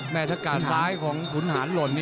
แม่สักกาลซ้ายของหุนหานหล่น